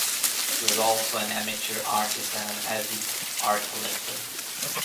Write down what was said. He was also an amateur artist and an avid art collector.